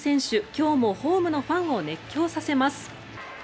今日もホームのファンを熱狂させます。